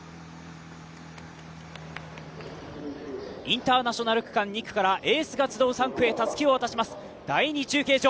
インターナショナル区間２区からエースが集う区間３区へたすきを渡します、第２中継所。